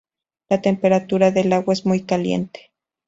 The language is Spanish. La temperatura del agua es muy caliente.